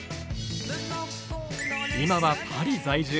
今は、パリ在住。